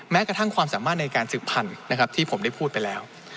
แม้กระทั่งความสามารถในการสืบพันธุ์นะครับที่ผมได้พูดไปแล้ว